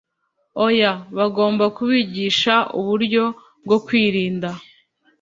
Oya bagomba kubigisha uburyo bwo kwirinda